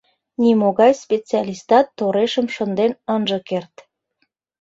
Нимогай специалистат торешым шынден ынже керт.